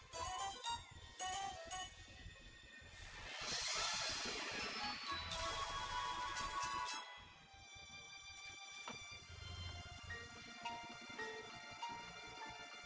kalian semua jahat